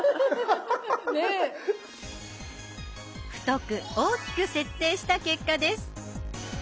太く大きく設定した結果です。